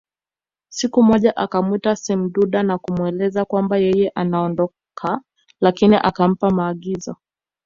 Siku moja akamwita semduda na kumweleza kwamba yeye anaondoka lakini akampa maagizo